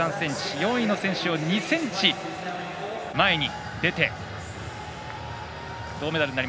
４位の選手より２ｃｍ前に出て銅メダル。